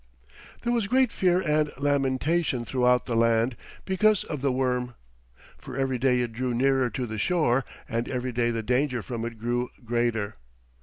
There was great fear and lamentation throughout the land because of the worm, for every day it drew nearer to the shore, and every day the danger from it grew greater.